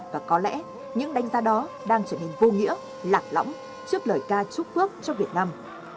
và có lẽ những đánh giá đó đang trở nên vô nghĩa lạc lõng trước lời ca chúc ước cho việt nam